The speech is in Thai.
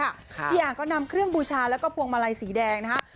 จะกลับด้วยค่ะพี่อ่างก็นำเครื่องบูชาแล้วก็พวงมาลัยสีแดงนะครับ